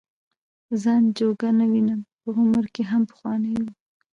ځان جوګه نه وینم په عمر کې هم پخوانی یم.